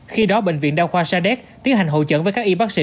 khi đó bệnh viện đa khoa sa đéc tiến hành hộ trận với các y bác sĩ